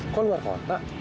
kok luar kota